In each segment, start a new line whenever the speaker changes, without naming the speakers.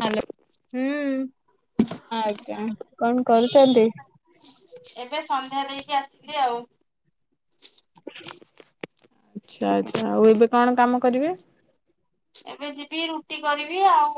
Hello.
ହୁଁ।
ଆଜ୍ଞା କଣ କରୁଚନ୍ତି?
ଏବେ ସନ୍ଧ୍ୟା ଦେଇକି ଆସିଲି ଆଉ।
ଆଚ୍ଛା ଆଚ୍ଛା। ଆଉ ଏବେ କଣ କାମ କରିବେ?
ଏବେ ଯିବି ରୁଟି କରିବି ଆଉ।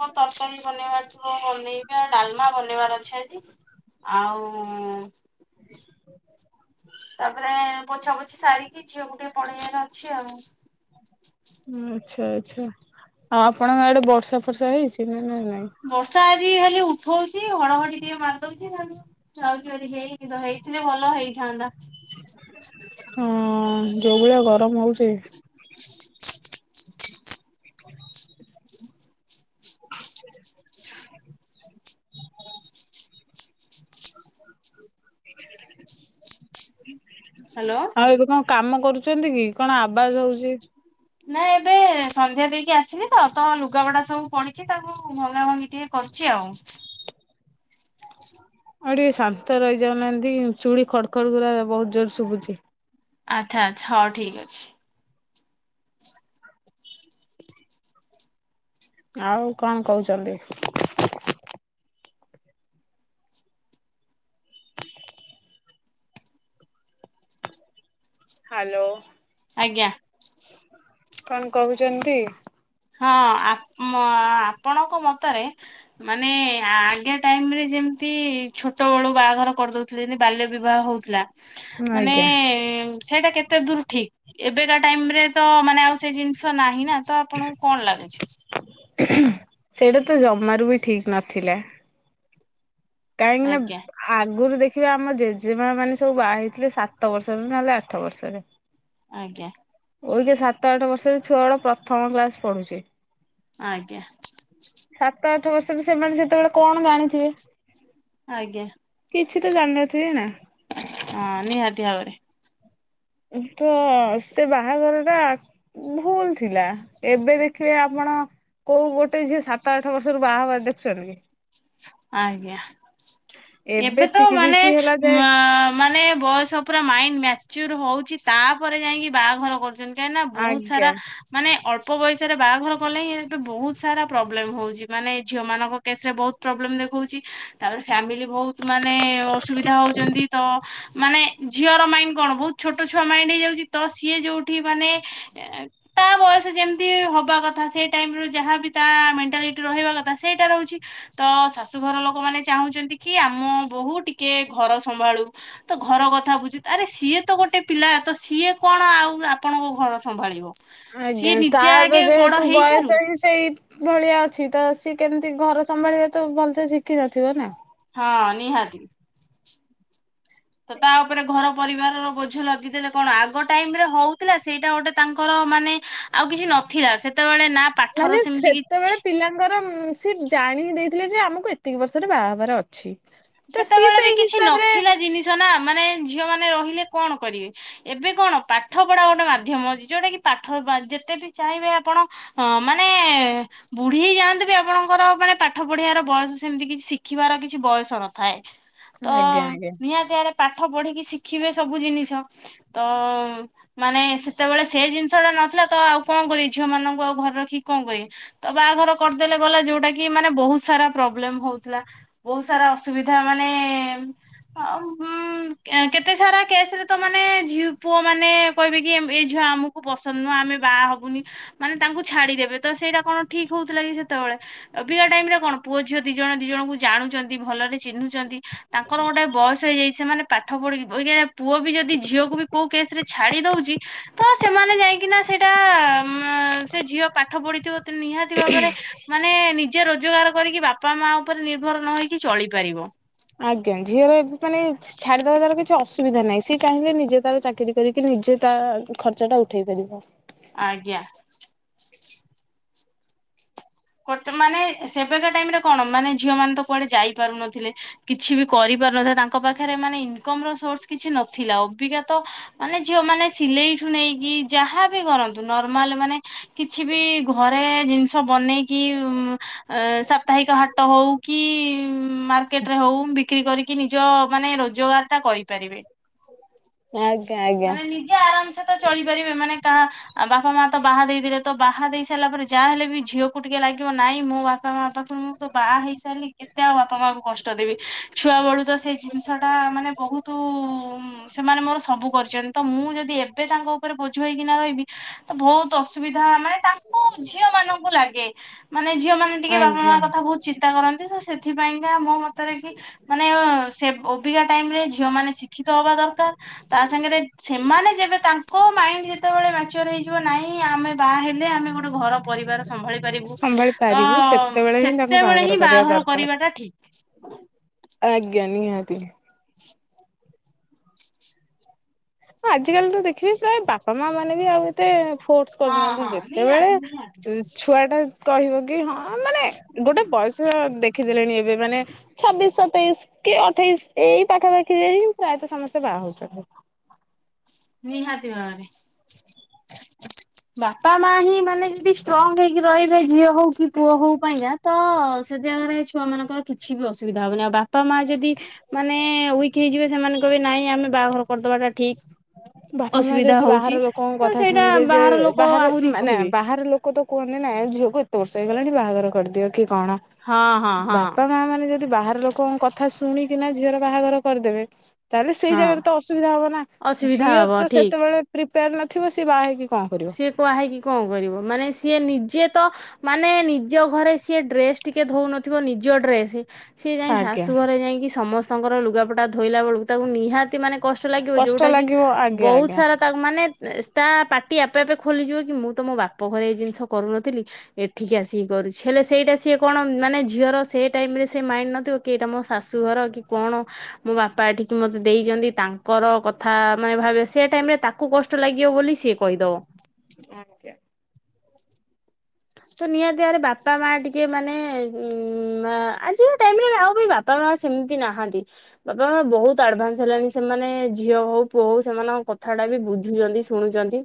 କଣ ତରକାରୀ ବନେଇବାର ଥିବ ବନେଇବି। ଆଉ ଡାଲମା ବନେଇବାର ଅଛି ଆଜି। ଆଉ ଉଂ ତାପରେ ପୋଛା ପୋଛି ସାରିକି, ଝିଅକୁ ଟିକେ ପଢ଼େଇବାର ଅଛି ଆଉ।
ଆଚ୍ଛା ଆଚ୍ଛା। ଆଉ ଆପଣଙ୍କ ଆଡେ ବର୍ଷା ଫର୍ଷା ହଉଛି ନା ନାଇଁ?
ବର୍ଷା ଆଜି ଖାଲି ଉଠୋଉଛି ଘଡ ଘଡି ଟିକେ ମାରିଦଉଛି ଖାଲି। ରହୁଛି ହେଇ ତ ହେଇଥିଲେ ଭଲ ହେଇଥାନ୍ତା [unintelligible]
ହଁ, ଯୋଉ ଭଳିଆ ଗରମ ହଉଚି
ହ୍ୟାଲୋ।
ଆଉ ଏବେ କଣ କାମ କରୁଛନ୍ତି କି? କଣ ଆବାଜ ହଉଚି।
ନାଇ ଏବେ ସନ୍ଧ୍ୟା ଦେଇକି ଆସିଲି ତ, ତ ଲୁଗାପଟା ସବୁ ପଡିଚି ତାକୁ ଭଙ୍ଗା ଭଙ୍ଗି ଟିକେ କରୁଚି ଆଉ।
ଆଉ ଟିକେ ଶାନ୍ତ ରହିଯାଉନାହାନ୍ତି। ଚୁଡି ଖଡ ଖଡ ଗୁରା ବହୁତ ଜୋର ଶୁଭୁଛି।
ଆଚ୍ଛା ଆଚ୍ଛା। ହଉ ଠିକ ଅଛି।
ଆଉ କଣ କହୁଛନ୍ତି? ହାଲୋ।
ଆଜ୍ଞା।
କଣ କହୁଛନ୍ତି?
ହଁ, ଆପ ମ ଆପଣଙ୍କ ମତରେ ମାନେ ଆଜ୍ଞା ଟାଇମ ରେ ଯେମିତି ଛୋଟ ବେଳୁ ବାହାଘର କରିଦଉ ଥି ଯେମିତି ବାଲ୍ୟ ବିବାହ ହଉଥିଲା। ମାନେ
ଆଜ୍ଞା
ସେଇଟା କେତେ ଦୂର ଠିକ? ଏବେକା ଟାଇମରେ ତ ମାନେ ଆଉ ସେ ଜିନିଷ ନାହିଁ ନା। ତ ଆପଣଙ୍କୁ କଣ ଲାଗୁଛି?
ସେଇଟା ତ ଜମାରୁ ବି ଠିକ ନଥିଲା। କାହିଁକି ନା
ଆଜ୍ଞା
ଆଗରୁ ଦେଖିବେ ଆମ ଜେଜେମା ମାନେ ସବୁ ବାହା ହେଇଥିଲେ ସାତ ବର୍ଷରେ ନହେଲେ ଆଠ ବର୍ଷରେ।
ଆଜ୍ଞା।
ଓରକେ ସାତ ଆଠ ବର୍ଷରେ ଛୁଆ ବଡ଼ ପ୍ରଥମ କ୍ଲାସ ପଢ଼ୁଛି।
ଆଜ୍ଞା।
ସାତ ଆଠ ବର୍ଷରେ ସେମାନେ ସେତେବେଳେ କଣ ଜାଣିଥିବେ?
ଆଜ୍ଞା।
କିଛି ତ ଜାଣିନଥିବେ ନା।
ହଁ, ନିହାତି ଭାବରେ।
ତ ସେ ବାହାଘର ଟା ଭୁଲ ଥିଲା। ଏବେ ଦେଖିବେ ଆପଣ କୋଉ ଗୋଟେ ଝିଏ ସାତ ଆଠ ବର୍ଷରୁ ବାହାଘର ହବାର ଦେଖୁଛନ୍ତି କି?
ଆଜ୍ଞା। ଏବେ ତ ମାନେ
ତିରିଶି ହେଲା ଯାଏ
ମାନେ ବୟସ ପୁରା ମାଇଣ୍ଡ ମ୍ୟାଚର ହଉଚି। ତାପରେ ଯାଇକି ବାହାଘର କର କାହିଁକି ନା ବହୁତ ସାରା
ଆଜ୍ଞା।
ମାନେ ଅଳ୍ପ ବୟସରେ ବାହାଘର କଲେ ହିଁ ଏବେ ବହୁତ ସାରା ପ୍ରୋବ୍ଲେମ ହଉଛି। ମାନେ ଝିଅ ମାନଙ୍କ କେସ ରେ ବହୁତ ପ୍ରୋବ୍ଲେମ ଦେଖଉଚି। ତାପରେ ଫ୍ୟାମିଲି ବହୁତ ମାନେ ଅସୁବିଧା ହଉଛନ୍ତି। ତ ମାନେ ଝିଅର ମାଇଣ୍ଡ କଣ ବହୁତ ଛୋଟ ଛୁଆ ମାଇଣ୍ଡ ହେଇଯାଉଚି। ତ ସିଏ ଯୋଉଠି ମାନେ ତା ବୟସ ଯେମିତି ହବା କଥା ସେ ଟାଇମ ରୁ ଯାହାବି ତା ମେଣ୍ଟାଲି ରହିବା କଥା ସେଇଟା ରହୁଛି ତ ଶାଶୁଘର ଲୋକ ମାନେ ଚାହୁଁଛନ୍ତି କି ଆମ ବୋହୁ ଟିକେ ଘର ସମ୍ଭାଳୁ ତ ଘର କଥା ବୁଝି ଆରେ ସିଏ ତ ଗୋଟେ ପିଲା ତ ସିଏ କଣ ଆଉ ଆପଣଙ୍କ ଘର ସମ୍ଭାଳିବ ସିଏ
ଆଜ୍ଞା
ନିଜେ
ତାର
ଆଗେ ବଡ
ଯେହେତୁ
ହେଇସାରୁ
ବୟସ ହିଁ ସେଇ ଭଳିଆ ଅଛି ତ ସିଏ କେମିତି ଘର ସମ୍ଭାଳିବା ତ ଭଲସେ ଶିଖିିନଥିବ ନା
ହଁ ନିହାତି ତ ତା ଉପରେ ଘର ପରିବାରର ବୋଝ ଲଗିଦେଲେ କଣ ଆଗ ଟାଇମ ରେ ହଉଥିଲା ସେଇଟା ଗୋଟେ ତାଙ୍କର ମାନେ ଆଉ କିଛି ନଥିଲା ସେତେବେଳେ ନା ପାଠର ସେମିତି କିଛି
ତାଙ୍କର ସେ ଜାଣି ଦେଇଥିଲେ ଯେ ଆମକୁ ଏତିକି ବର୍ଷରେ ବାହାଘର ଅଛି ତ ସିଏ
ସେତେବେଳେ ବି
ସେଇ
କିଛି
ହିସାବରେ
ନଥିଲା ଜିନିଷ ନା ମାନେ ଝିଅ ମାନେ ରହିଲେ କଣ କରିବେ ଏବେ କଣ ପାଠ ପଢା ଗୋଟେ ମାଧ୍ୟମ ଅଛି ଯୋଉଟା କି ପାଠ ଯେତେ ବି ଚାହିଁବେ ଆପଣ ହଁ ମାନେ ବୁଢୀ ହେ ଯାଆନ୍ତିି ବି ଆପଣଙ୍କର ମାନେ ପାଠ ପଢିବାର ବୟସ ସେମିତି କିଛି ଶିଖିବାର କିଛି ବୟସ ନ ଥାଏ ତ
ଆଜ୍ଞା ଆଜ୍ଞା।
ନିହାତି ଆରେ ପାଠ ପଢିକି ଶିଖିବେ ସବୁ ଜିନିଷ ତ ମାନେ ସେତେବେଳେ ସେ ଜିନିଷ ଟା ନଥିଲା ତ ଆଉ କଣ କରିବେ ଝିଅ ମାନଙ୍କୁ ଆଉ ଘରେ ରଖିକି କଣ କରବେ ତ ବାହାଘର କରିଦେଲେ ଗଲା ଯୋଉଟା କି ମାନେ ବହୁତ ସାରା ପ୍ରୋବ୍ଲେମ ହଉଥିଲା ବହୁତ ସାରା ଅସୁବିଧା ତା ମାନେ ଆ କେତେ ସାରା କେସ ରେ ତ ମାନେ ଝିଅ ପୁଅ ମାନେ କହିବେ କି ଏଇ ଝିଅ ଆମକୁ ପସନ୍ଦ ନୁହଁ ଆମେ ବାହା ହବୁନି ମାନେ ତାଙ୍କୁ ଛାଡିଦେବେ ତ ସେଇଟା କଣ ଠିକ ହଉଥିଲା କି ସେତେବେଳେ ଅଭିକା ଟାଇମ ରେ କଣ ପୁଅ ଝିଅ ଦି ଜଣ ଦି ଜଣଙ୍କୁ ଜାଣୁଛନ୍ତି ଭଲରେ ଚିହ୍ନିଛନ୍ତି ତାଙ୍କର ଗୋଟେ ବୟସ ହେଇଯାଇଛି ସେମାନେ ପାଠ ପଢିକିା ପୁଅ ବି ଯଦି ଝିଅକୁ ବି କୋଉ କେସରେ ଛାଡି ଦଉଛି ତ ସେମାନେ ଯାଇକିନା ସେଟା ସେ ଝିଅ ପାଠ ପଢିଥିବ ତ ନିହାତି ଭାବରେ ମାନେ ନିଜେ ରୋଜଗାର କରିକି ବାପା ମା ଉପରେ ନିର୍ଭର ନ ହେଇକି ଚଳିପାରିବ।
ଆଜ୍ଞା ଝିଅର ଏବେ ମାନେ ଛାଡିଦବା ତାର କିଛି ଅସୁବିଧା ନାହିଁ ସେ ଚାହିଁଲେ ନିଜ ତାର ଚାକିରି। ଚାକିରି କରିକି ନିଜେ ତା ଖର୍ଚ୍ଚ ଟା ଉଠେଇ ପାରିବ।
ଆଜ୍ଞା। ମାନେ ସେବେକା ଟାଇମ ରେ କଣ ମାନେ ଝିଅ ମାନେ ତ କୁଆଡେ ଯାଇ ପାରୁନଥିଲେ। କିଛି ବି କରିପାରୁନଥାଏ ତାଙ୍କ ପାଖରେ ମାନେ ଇନକମ ର ସୋର୍ସ କିଛି ନଥିଲା ଅଭିଜ୍ଞା ତ ମାନେ ଝିଅ ମାନେ ସିଲେଇଠୁ ନେଇକି ଯାହାବି କରନ୍ତି। ନର୍ମାଲ ମାନେ କିଛି ବି ଘରେ ଜିନିଷ ବନେଇକି କି ଉ ସାପ୍ତାହିକ ହ ତ ହଉ କି ମାର୍କେଟ ରେ ହଉ ବିକ୍ରି କରିକି ନିଜ ମାନେ ରୋଜଗାର ଟା କରିପାରିବେ। [unintelligible]
ଆଜ୍ଞା ଆଜ୍ଞା।
ଆରାମ ସେ ତ ଚଳିପାରିବେ ମାନେ କାହା ବାପା ମା ତ ବାହା ଦେଇଦେଲେ ତ ବାହା ଦେଇ ସାରିଲା ପରେ ଯାହା ହେଲେ ବି ଝିଅକୁ ଟିକେ ଲାଗିବ ନାହିଁ ମୋ ବାପା ମା ପାଖରୁ ମୁଁ ତ ବାହା ହେଇଛି କେତେ ଆଉ ବାପ ମା କୁ କଷ୍ଟ ଦେବି ଛୁଆ ବେଳୁ ତ ସେ ଜିନିଷଟା ମାନେ ବହୁତ ସେମାନେ ମୋର ସବୁ କରିଛନ୍ତି ତ ମୁଁ ଯଦି ଏବେ ତାଙ୍କ ଉପରେ ବୋଝୁ ହେଇକି ନା ରହିବି ତ ବହୁତ ଅସୁବିଧା ମାନେ ତାଙ୍କୁ ଝିଅ ମାନଙ୍କୁ ଲାଗେ। ମାନେ ଝିଅ ମାନେ ଟିକେ ବାପା ମା
ଆଜ୍ଞା
କଥା ବହୁ ଚିନ୍ତା କରନ୍ତି ତ ସେଥିପାଇଁକା ମୋ ମତରେ କି ମାନେ ସେବ୍ ଅବିକା ଟାଇମି ରେ ଝିଅ ମାନେ ଶିକ୍ଷିତ ହବା ଦରକାର୍। ତା ସାଙ୍ଗେରେ ସେମାନେ ଯେବେ ତାଙ୍କ ମାଇଣ୍ଡ୍ ସେତେବେଳେ ମେଚର୍ ହେଇଯିବ ନାହିଁ ଆମେ ବାହା ହେଲେ ଆମେ ଗୋଟେ ଘର ପରିବାର ସମ୍ଭାଳିି ପାରିବୁ
ସମ୍ଭାଳି
ତ
ପାରିବୁ ସେତେବେଳେ ହିଁ ତାଙ୍କୁ
ସେତେବେଳେ ହିଁ
କରିବା
ବାହାଘର
ଦରକାର।
କରିବାଟା ଠିକ୍।
ଆଜ୍ଞା ନିହାତି। ହଁ ଆଜିକାଲି ତ ଦେଖିବେ ପ୍ରାୟେ ବାପା ମା ମାନେ ବି ଆଉ ଏତେ ଫୋର୍ସ
ହଁ
କରୁନାହାନ୍ତି
ହଁ ନିହାତି ନିହାତି
ଯେତେବେଳେ ଛୁଆ ଟା କହିବ କି ହଁ ମାନେ ଗୋଟେ ବୟସ ଦେଖିଦେଲେଣି ଏବେ ମାନେ ଛବିଶ୍ ସତେଇଶ୍ କି ଅଠେଇଶ୍ ଏଇ ପାଖାପାଖିରେ ହିଁ ପ୍ରାୟତଃ ସମସ୍ତେ ବାହା ହଉଛନ୍ତି।
ନିହାତି ଭାବରେ। ବାପା ମା ହିଁ ମାନେ ଯଦି ଷ୍ଟ୍ରଙ୍ଗ ହେଇକି ରହିବେ ଝିଅ ହଉ କି ପୁଅ ହଉ ପାଇଁ କା। ତ ସେ ଜାଗାରେ ଛୁଆ ମାନଙ୍କର କିଛି ବି ଅସୁବିଧା ହବନି ଆଉ ବାପା ମା ଯଦି ମାନେ ୱିକ୍ ହେଇଯିବେ ସେମାନେ କହିବେ ନାଇଁ ଆମେ ବାହାଘର କରିଦବାଟା ଠିକ୍।
ବାପା ମା ଯଦି ବାହାର ଲୋକଙ୍କ
ତ
କଥା
ସେଇଟା
ଶୁଣିବେ ଯେ
ବାହାର ଲୋକ
ବାହାରେ
ଆହୁରି
ମାନେ
କହିବେ
ବାହାର ଲୋକ୍ ଲୋକ ତ କୁହନ୍ତି ନା ନାଇଁ ଝିଅକୁ ଏତେ ବର୍ଷ ହେଇଗଲାଣି ବାହାଘର କରିଦିଅ କି କଣ।
ହଁ ହଁ ହଁ
ବାପା ମା ମାନେ ଯଦି ବାହାର ଲୋକ୍ ଲୋକଙ୍କ କଥା ଶୁଣିକିନା ଝିଅର ବାହାଘର କରିଦେବେ ତାହେଲେ ସେଇ
ହଁ
ଜାଗାରେ ତ ଅସୁବିଧା ହବ ନା।
ଅସୁବିଧା
ଝିଅ
ହବ
ତ
ଠିକ
ସେତେବେଳେ ପ୍ରିପେୟାର୍ ନଥିବ, ସେ ବାହା ହେଇକି କଣ କରିବ।
ବୁହା ହେଇକି କଣ କରିବ ମାନେ ସିଏ ନିଜେ ତ ମାନେ ନିଜ ଘରେ ସିଏ ଡ୍ରେସ୍ ଟିକେ ଧଉନଥିବ ନିଜ ଡ୍ରେସ୍। ସିଏ ଯାଇ
ଆଜ୍ଞା।
ଶାଶୁ ଘରେ ଯାଇକି ସମସ୍ତଙ୍କର ଲୁଗାପଟା ଧୋଇଲା ବେଳକୁ ତାକୁ ନିହାତି ମାନେ କଷ୍ଟ ଲାଗିବ,
କଷ୍ଟ
ଯୋଉଟା କି
ଲାଗିବ ଆଜ୍ଞା
ବହୁତ୍
ଆଜ୍ଞା।
ସାରା ତା ମାନେ ତା ପାଟ୍ ପାଟି ଆପେ ଆପେ ଖୋଲିଯିବ କି ମୁଁ ତ ମୋ ବାପ ଘରେ ଏଇ ଜିନିଷ କରୁନଥିଲି। ଏଠିକି ଆସିକି କରୁଛି ହେଲେ ସେଇଟା ସିଏ କଣ ମାନେ ଝିଅର ସେ ଟାଇମ୍ ରେ ସେ ମାଇଣ୍ଡ୍ ନଥିବ କି ଏଇଟା ମୋ ଶାଶୁଘର କି କଣ ମୋ ବାପା ଏଠିକି ମତେ ଦେଇଚନ୍ତି ତାଙ୍କର କଥା ମାନେ ଭାବେ ସେ ଟାଇମ୍ ରେ ତାକୁ କଷ୍ଟ ଲାଗିବ ବୋଲି ସିଏ କଇଦବ।
ଆଜ୍ଞା।
ତ ନିହାତି ବାରେ ବାପା ମା ଟିକେ ମାନେ ଉଁ ଆଜି ଟାଇମ୍ ରେ ଆଉ କେହି ବାପ୍ ବାପା ମା ସେମିତି ନାହାନ୍ତି। ବାପା ମା ବହୁତ୍ ଆଡଭାନ୍ସ ହେଲାଣି ସେମାନେ ଝିଅ ହଉ ପୁଅ ହଉ ସେମାନଙ୍କ କଥାଟା ବି ବୁଝୁଚନ୍ତି। ଖୁଣୁଚନ୍ତି।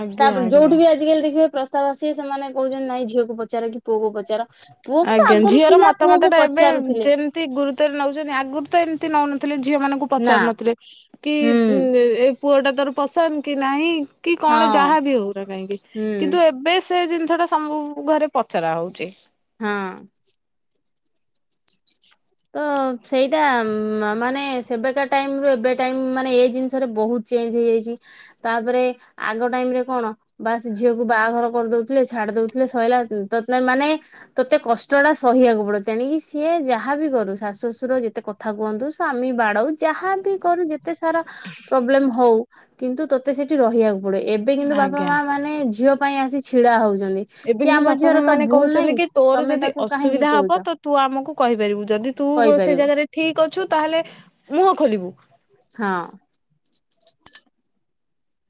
ଆଜ୍ଞା
ତାପରେ
ଆଜ୍ଞା।
ଯୋଉଠି ବି ଆଜିକାଲି ଦେଖିବ ପ୍ରସ୍ତାବ ଆସିବେ ସେମାନେ କହୁଚନ୍ତି ନାଇଁ ଝିଅକୁ ପଚାର କି ପୁଅକୁ ପଚାର। ପୁଅକୁ ତ
ଆଜ୍ଞା।
ଆଗରୁ
ଝିଅର
ଥିଲା
ମତାମତ
ପୁଅକୁ
ଟା ଏବେ
ପଚାରୁଥିଲେ
ଯେମ୍ ମିତି ଗୁରୁତ୍ବରେ ନଉଚନ୍ତି ଆଗରୁ ତ ଏମିତି ନଉନଥିଲେ ଝିଅ ମାନଙ୍କୁ
ନା
ପଚାରୁନଥିଲେ। କି
ହୁଁ
ଏ ପୁଅ ଟା ତୋର ପସନ୍ଦ୍ କି ନାଇଁ। କି
ହଁ
କଣ ଯାହା ବି ହଉନା କାହିଁକି
ହୁଁ
କିନ୍ତୁ ଏବ୍ ଏବେ ସେ ଜିନିଷ ଟା ସମ୍ବୁ ଘରେ ପଚରା ହଉଚି।
ହଁ। ତ ସେଇଟା ମାନେ ସେବେକା ଟାଇମ୍ ରୁ ଏବେ ଟାଇମ୍ ମାନେ ଏ ଜିନିଷରେ ବହୁତ୍ ଚେଞ୍ଜ୍ ହେଇଯାଇଚି, ତାପରେ ଆଗ ଟାଇମ୍ ରେ କଣ ବାସ୍ ସେ ଝିଅକୁ ବାହାଘର କରିଦଉଥିଲେ ଛାଡି ଦଉଥିଲେ ସଇଲା ତତ୍ ଏମାନେ ତୋତେ କଷ୍ଟ ଟା ସହିବାକୁ ପଡିବ ତେଣିକିି ସିଏ ଯାହା ଯାହା ବି କରୁ ଶାଶୁ ଶଶୁର ଯେତେ କଥା କୁହନ୍ତୁ ସ୍ୱାମୀ ବାଡଉ ଯାହା ବୀ କରୁ ଯେ ଯେତେ ସାରା ପ୍ରୋବ୍ଲେମ ହଉ କିନ୍ତୁ ତତେ ସେଠି ରହିବାକୁ ପଡିବ। ଏବେ କିନ୍ତୁ ବାପା
ଆଜ୍ଞା।
ମା ମାନେ ଝିଅ ପାଇଁ ଆସି ଛିଡା ହଉଛନ୍ତି
ଏବେ
କି
କିନ୍ତୁ
ଆମ
ବାପା
ଝିଅର
ମା
ତ
ମାନେ
ଭୁଲ
କହୁଛନ୍ତି
ନାହିଁ।
କି ତୋର
ତମେ
ଯଦି
ତାକୁ କାହିଁକି
ଅସୁବିଧା
କହୁଛ
ହବ ତ ତୁ ଆମକୁ କହିପାରିବୁ ଯଦି ତୁ ସେ
କହିପାରିବ
ଜାଗାରେ ଠିକ ଅଛୁ ତାହେଲେ ମୁହଁ ଖୋଲିବୁ।
ହଁ।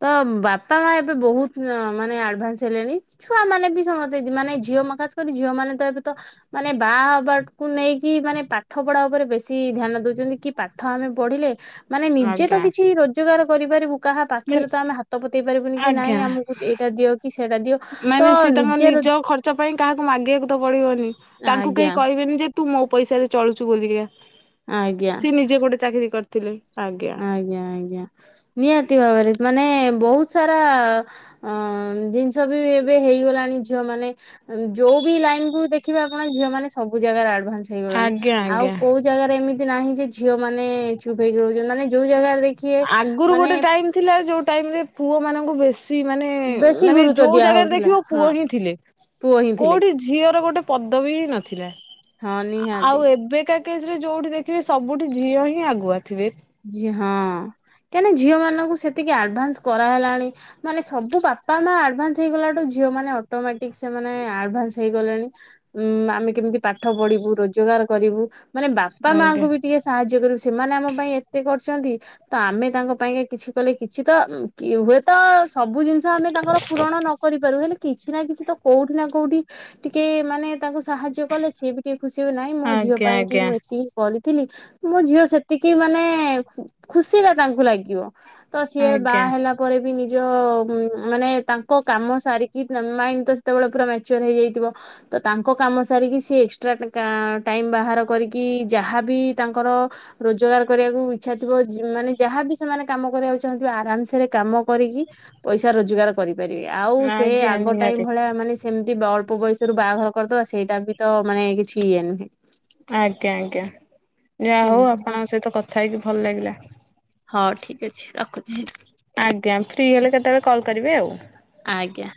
ତ ବାପା ମା ଏବେ ବହୁତ ମାନେ ଆଡଭାନ୍ସ ହେଲେଣି। ଛୁଆ ମାନେ ବି ସମସ୍ତେ ମାନେ ଝିଅ ମ ଖାସ୍ କରି ଝିଅ ମାନେ ତ ଏବେ ତ ମାନେ ବାହା ହବାକୁୁ ନେଇକି ମାନେ ପାଠ ପଢା ଉପରେ ବେଶୀ ଧ୍ୟାନ ଦଉଛନ୍ତି କି। ପାଠ ଆମେ ପଢିଲେ ମାନେ ନିଜେ ତ
ଆଜ୍ଞା
କିଛି ରୋଜଗାର କରିପାରିବୁ କାହା ପା
ମାନେ
ଖରେ ତ ଆମେ ହାତ ପତେଇ ପାରିବୁନି କି
ଆଜ୍ଞା
ନାଇଁ ଆମକୁ ଏଇଟା ଦିଅ କି ସେଇଟା ଦିଅ। ତ
ମାନେ ସେ ତାଙ୍କ
ନିଜର
ନିଜ ଖର୍ଚ୍ଚ ପାଇଁ କାହାକୁ ମାଗିବାକୁ ତ ପଡିବନି ତାଙ୍କୁ
ଆଜ୍ଞା
କେହି କହିବେନି ଯେ। ତୁ ମୋ ପଇସାରେ ଚଳୁଛୁ ବୋଲିକା।
ଆଜ୍ଞା।
ସେ ନିଜେ ଗୋଟେ ଚାକିରି କରିଥିଲେ ଆଜ୍ଞା।
ଆଜ୍ଞା ଆଜ୍ଞା ନିହାତି ଭାବରେ ମାନେ ବହୁତ ସାରା ଅଁ ଜିନିଷ ବି ଏବେ ହେଇଗଲାଣି ଝିଅ ମାନେ। ଯୋଉ ବି ଲାଇନ କୁ ଦେଖିବେ ଆପଣ ଝିଅ ମାନେ ସବୁ ଜାଗାରେ ଆଡଭାନ୍ସ ହେଇଗଲେଣି
ଆଜ୍ଞା
ଆଉ
ଆଜ୍ଞା
କୋଉ ଜାଗାରେ ଏମିତି ନାହିଁ ଯେ ଝିଅ ମାନେ ଚୁପ୍ ହେଇକି ରହୁଛନ୍ତି ମାନେ ଯୋଉ ଜାଗାରେ ଦେଖିବେ
ଆଗରୁ
ମାନେ
ଗୋଟେ ଟାଇମ ଥିଲା ଯୋଉ ଟାଇମ ରେ ପୁଅ ମାନଙ୍କୁ ବେଶ୍ ସି ମାନେ
ବେଶୀ
ମାନେ
ଗୁରୁତ୍ୱ
ଯୋଉ
ଦିଆ
ଜାଗାରେ
ହଉଥିଲା
ଦେଖିବ ପୁଅ
ହଁ
ହିଁ ଥିଲେ
ପୁଅ ହିଁ ଥିଲେ
କୋଉଠି। ଝିଅର ଗୋଟେ ପଦବୀ ନଥିଲା
ହଁ ନିହାତି।
ଆଉ ଏବେ କା। କେସ୍ ରେ ଯୋଉଠି ଦେଖିବେ ସବୁଠି ଝିଅ ହିଁ ଆଗୁଆ ଥିବେ।
ହଁ କାହିଁକିନା ଝିଅ ମାନଙ୍କୁ ସେତିକି ଆଡଭାନ୍ସ କରାହେଲାଣି। ମାନେ ସବୁ ବାପା ମା ଆଡଭାନ୍ସ ହେଇଗଲାଠୁ ଝିଅ ମାନେ ଅଟୋମେଟିକ ସେମାନୋନ ଆଡଭାନ୍ସ ହେଇଗଲେଣି। ଉଁ ଆମେ କେମିତି ପାଠ ପଢିବୁ ରୋଜଗାର କରିବୁ। ମାନେ ବାପା ମାଙ୍କୁ
ଆଜ୍ଞା
ବି ଟିକେ ସାହାଯ୍ୟ କରିବେ ସେମାନେ ଆମ ପାଇଁ ଏତେ। ଏତେ କରିଛନ୍ତି ତ ଆମେ ତାଙ୍କ ପାଇଁକା କିଛି କଲେ କିଛି ତ। କି ହୁଏତ ସବୁ ଜିନିଷ ଆମେ ତାଙ୍କର ପୂରଣ ନ କରିପାରୁ ହେଲେ କିଛି ନା କିଛି ତ। କୋଉଠି ନା କୋଉଠି ଟିକେ ମାନେ। ତାକୁ ସାହାଯ୍ୟ କଲେ ସି ବି ଟିକେ ଖୁସି ହ ନାହିଁ ମୋ ଝିଅ
ଆଜ୍ଞା
ପାଇଁ କି
ଆଜ୍ଞା
ମୁଁ ଏତିି - କରିଥିଲି ମୋ ଝିଅ ସେତିକି ମାନେ ଖୁସିଟା ତାଙ୍କୁ ଲାଗିବ ତ ସିଏ
ଆଜ୍ଞା
ବାହା ହେଲା ପରେ ବି ନିଜ ମାନେ ତାଙ୍କ କାମ ସାରିକି ମାଇଣ୍ଡ ତ ସେତେବେଳେ ପୁରା ମ୍ୟାଚର ହେଇଯାଇଥିବ ତ ତାଙ୍କ କାମ ସାରିକି ସି ଏକ୍ସଟ୍ରା ଟାଇମ୍ ବାହାର କରିକି ଯାହାବି ତାଙ୍କର ରୋଜଗାର କରିବାକୁ ଇଚ୍ଛା ଥିବ ମାନେ ଯାହାବି ସେମାନେ କାମ କରିବାକୁ ଚାହୁଁ ଥିବେ ଆରାମସରେ କାମ କରିକି ପଇସା ରୋଜଗାର କରିିବେ ଆଉ ସେ
ଆଜ୍ଞା
ଆଗ ଟାଇମ୍
ନିହାତି।
ଭଳିଆ ମାନେ ସେମିତି ଅଳ୍ପ ବୟସରୁ ବାହାଘର କରିଦେବା ସେଇଟା ବି ତ ମାନେ କିଛି ଇଏ ନୁହେଁ
ଆଜ୍ଞା ଆଜ୍ଞା ଯାହା
ହୁଁ।
ହଉ ଆପଣଙ୍କ ସହିତ କଥା ହେଇକି ଭଲ ଲାଗିଲା
ହଁ ଠିକ୍ ଠିକ ଅଛି ରଖୁ
ଆଜ୍ଞା ଫ୍ରି ହେଲେ କେତେବେଳେ କଲ୍ କରିବେ ଆଉ
ଆଜ୍ଞା